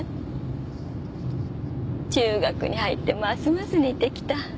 中学に入ってますます似てきた。